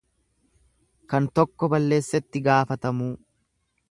Kan tokko balleessetti gaafatamuu.